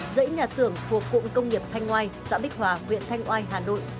dẫy nhà xưởng của cụng công nghiệp thanh ngoai xã bích hòa nguyện thanh ngoai hà nội